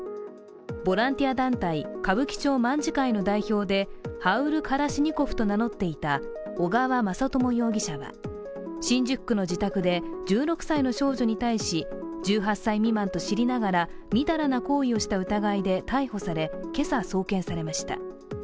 ボランティア団体、歌舞伎町卍会の代表でハウル・カラシニコフと名乗っていた小川雅朝容疑者は新宿区の自宅で１６歳の少女に対し１８歳未満と知りながらみだらな行為をした疑いで逮捕され、今朝、送検されました。